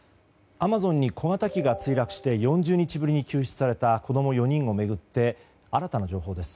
アマゾンに小型機が墜落して４０日ぶりに救出された子供４人を巡って新たな情報です。